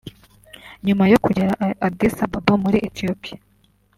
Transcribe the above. nyuma yo kugera i Addis Ababa muri Ethiopia